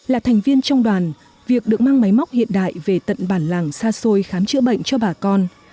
là thành viên trong đoàn việc được mang máy móc hiện đại về tận bản làng xa xôi khám chữa bệnh cho bà con